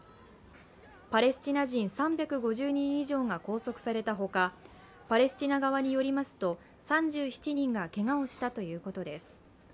パレスチナ人３５０人以上が拘束されたほかパレスチナ側によりますと３７人がけがをしたということです。